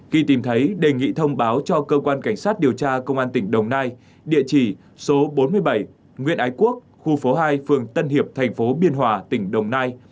khi tìm thấy đề nghị thông báo cho cơ quan cảnh sát điều tra công an tỉnh đồng nai địa chỉ số bốn mươi bảy nguyễn ái quốc khu phố hai phường tân hiệp thành phố biên hòa tỉnh đồng nai